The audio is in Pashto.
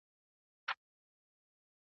هیڅوک باید د ویري لاندي ژوند ونه کړي.